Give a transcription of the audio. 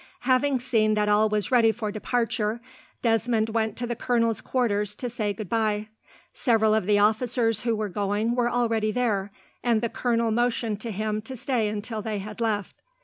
Having seen that all was ready for departure, Desmond went to the colonel's quarters to say goodbye. Several of the officers who were going were already there, and the colonel motioned to him to stay until they had left.